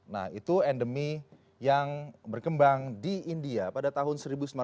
nah itu endemi yang berkembang di india pada tahun seribu sembilan ratus sembilan puluh